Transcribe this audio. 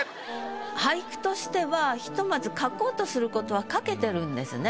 俳句としてはひとまず書こうとすることは書けてるんですね。